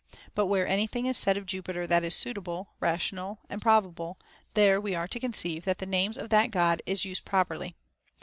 But where any thing is said of Jupiter that is suitable, rational, and probable, there we are to conceive that the names of that God is used properly.